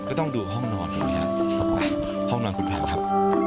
ก็ต้องดูห้องนอนไส้รอบาคุณนอนครับ